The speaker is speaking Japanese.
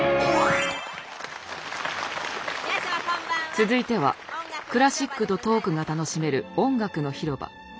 続いてはクラシックとトークが楽しめる「音楽の広場」。